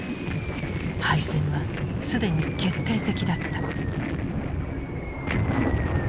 敗戦は既に決定的だった。